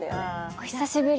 お久しぶり。